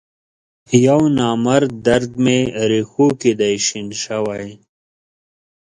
یونامرد درد می رېښوکې دی شین شوی